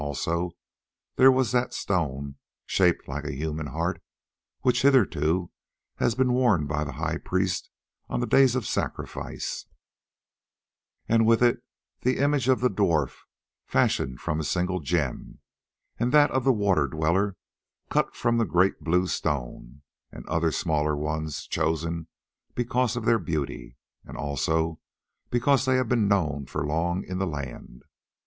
Also, there was that stone, shaped like a human heart, which hitherto has been worn by the high priest on the days of sacrifice, and with it the image of the Dwarf fashioned from a single gem, and that of the Water dweller cut from the great blue stone, and other smaller ones chosen because of their beauty and also because they have been known for long in the land.